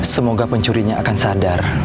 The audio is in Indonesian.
semoga pencurinya akan sadar